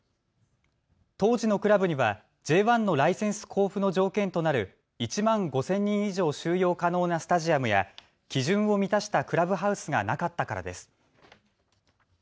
当時のクラブにはＪ１のライセンス交付の条件となる１万５０００人以上収容可能なスタジアムや基準を満たしたクラブハウスがなかったからです。